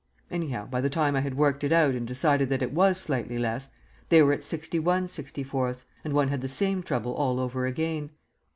Anyhow, by the time I had worked it out and decided that it was slightly less, they were at 61/64, and one had the same trouble all over again.